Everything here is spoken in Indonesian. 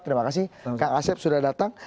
terima kasih kak asep sudah datang